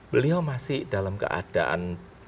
beliau masih dalam keadaan